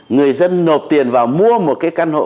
người dân nộp tiền vào mua một cái căn hộ